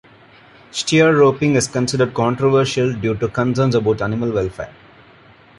Steer roping is considered controversial due to concerns about animal welfare.